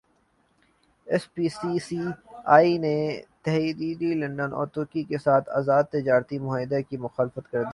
F P C C I نے Thailand اور ترکی کیساتھ ازاد تجارتی معاہدوں کی مخالفت کردی